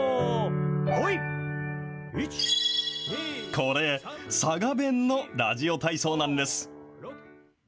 これ、佐賀弁のラジオ体操なんです。